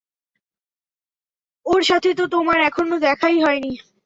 ওর সাথে তো তোমার এখনও দেখাই হয়নি!